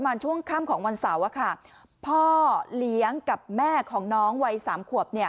ช่วงค่ำของวันเสาร์พ่อเลี้ยงกับแม่ของน้องวัย๓ขวบ